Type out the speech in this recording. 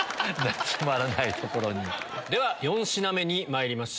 ４品目にまいります